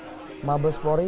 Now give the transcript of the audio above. dan di depan gerbang mabespori